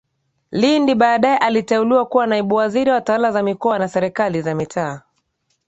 LindiBaadaye aliteuliwa kuwa Naibu Waziri wa Tawala za Mikoa na Serikali za Mitaa